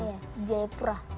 iya di jayapura